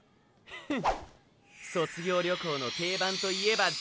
フッ卒業旅行の定番といえばズバリ！